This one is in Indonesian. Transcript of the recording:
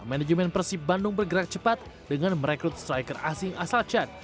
manajemen persib bandung bergerak cepat dengan merekrut striker asing asal chan